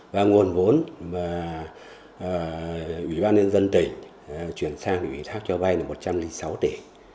và nguồn vốn mà ủy ban nhân dân tỉnh chuyển sang ủy thác cho vay là một trăm linh sáu tỷ